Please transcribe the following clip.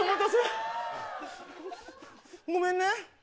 ごめんね。